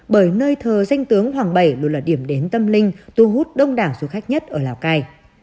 bởi nơi thờ danh tướng hoàng bảy luôn là điểm đến tâm linh thu hút đông đảo du khách nhất ở lào cai